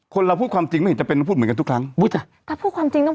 เราพูดความจริงไม่เห็นจำเป็นต้องพูดเหมือนกันทุกครั้งอุ้ยจ้ะถ้าพูดความจริงต้อง